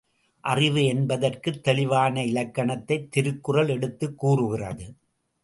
அறிவு என்பதற்குத் தெளிவான இலக்கணத்தைத் திருக்குறள் எடுத்துக் கூறுகிறது.